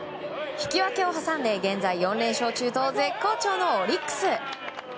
引き分けを挟んで、現在４連勝中と絶好調のオリックス。